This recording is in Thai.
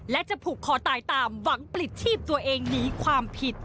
และจะผูกคอตายตามหวังปลิดชีพตัวเองหนีความผิด